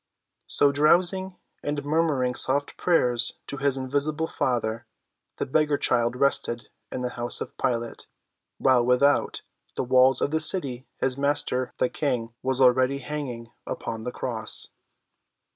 So drowsing and murmuring soft prayers to his invisible Father, the beggar child rested in the house of Pilate, while without the walls of the city his Master, the King, was already hanging upon the cross.